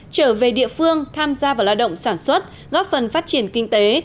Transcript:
trở về địa phương tham gia vào lao động sản xuất góp phần phát triển kinh tế